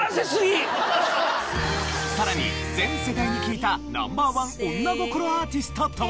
さらに全世代に聞いたナンバー１女心アーティストとは？